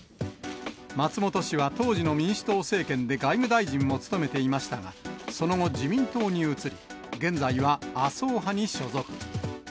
松本氏は当時の民主党政権で外務大臣を務めていましたが、その後、自民党に移り、現在は麻生派に所属。